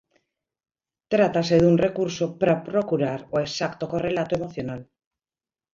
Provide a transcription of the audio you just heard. Trátase dun recurso para procurar o exacto correlato emocional.